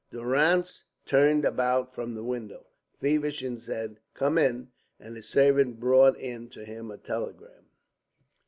Durrance turned about from the window. Feversham said, "Come in;" and his servant brought in to him a telegram.